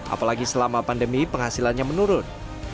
apalagi selama pandemi penghasilannya menurun